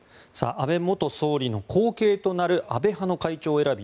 安倍元総理の後継となる安倍派の会長選び。